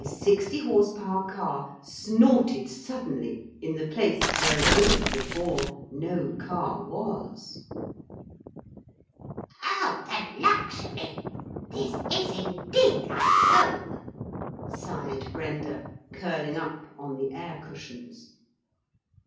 sixty horse power car snorted suddenly in the place where a moment before no car was. 'Oh, the luxury! This is indeed like home,' sighed Brenda, curling up on the air cushions.